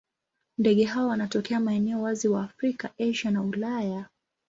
Ndege hawa wanatokea maeneo wazi wa Afrika, Asia na Ulaya.